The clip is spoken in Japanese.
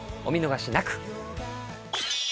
お見逃しなく！